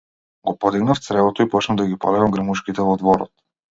Го подигнав цревото и почнав да ги полевам грмушките во дворот.